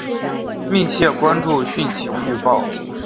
密切关注汛情预报